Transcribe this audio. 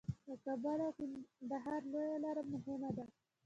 د کابل او کندهار لویه لار مهمه ده